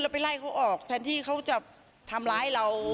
ไปไล่เขาออกแทนที่เขาจะทำร้ายเรา